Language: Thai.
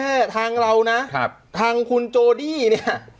ไม่แค่ทางเรานะทางคุณโจดี้เนี่ย